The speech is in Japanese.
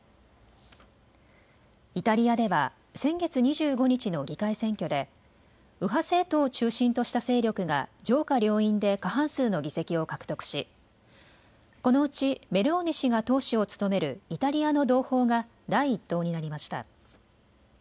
イタリアでは先月２５日の議会選挙で右派政党を中心とした勢力が上下両院で過半数の議席を獲得しこのうちメローニ氏が党首を務めるイタリアの同胞が第１党になりました。